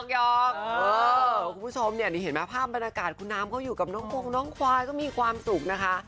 คุณผู้ชมเนี่ยนี่เห็นไหมภาพบรรยากาศคุณน้ำเขาอยู่กับน้องคงน้องควายก็มีความสุขนะคะ